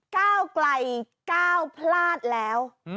ก้าวไกลก้าวพลาดแล้ว